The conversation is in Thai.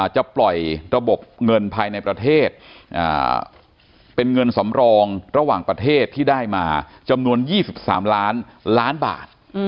จะปล่อยระบบเงินภายในประเทศเป็นเงินสำรองระหว่างประเทศที่ได้มาจำนวน๒๓ล้านล้านบาท